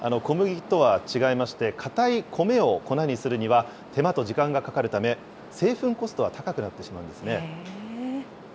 小麦とは違いまして、硬い米を粉にするには手間と時間がかかるため、製粉コストは高くなってしまうんですね。